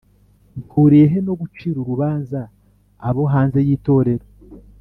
Mpuriye he no gucira urubanza abo hanze y itorero